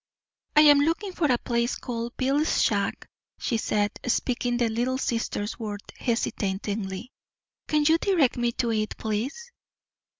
"I am looking for a place called Bill's Shack," she said, speaking the Little Sister's words hesitatingly. "Can you direct me to it, please?"